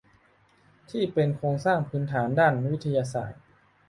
ที่เป็นโครงสร้างพื้นฐานด้านวิทยาศาสตร์